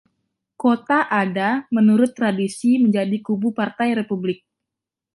Kota Ada menurut tradisi menjadi kubu Partai Republik.